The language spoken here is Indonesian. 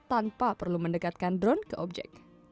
tanpa perlu mendekatkan drone ke objek